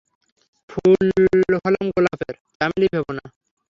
ফুল হলাম গোলাপের, চামেলী ভেবো না।